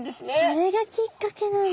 それがきっかけなんだ。